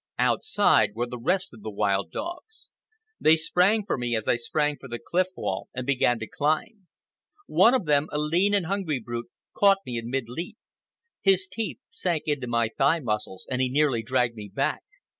Outside were the rest of the wild dogs. They sprang for me as I sprang for the cliff wall and began to climb. One of them, a lean and hungry brute, caught me in mid leap. His teeth sank into my thigh muscles, and he nearly dragged me back.